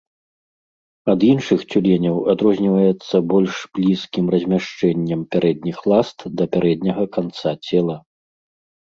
Ад іншых цюленяў адрозніваецца больш блізкім размяшчэннем пярэдніх ласт да пярэдняга канца цела.